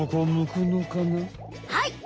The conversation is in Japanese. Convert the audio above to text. はい！